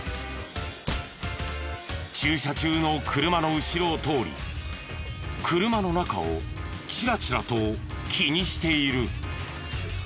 駐車中の車の後ろを通り車の中をチラチラと気にしている。